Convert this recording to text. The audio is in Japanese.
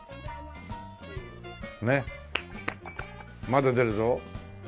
ねっまだ出るぞ。